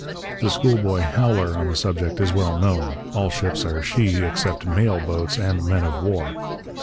The schoolboy 'howler' on the subject is well known: 'All ships are "she" except mail boats and men of war.'